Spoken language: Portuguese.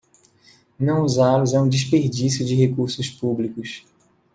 Não usá-los é um desperdício de recursos públicos.